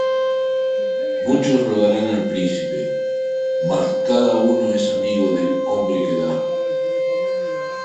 Muchos rogarán al príncipe: Mas cada uno es amigo del hombre que da.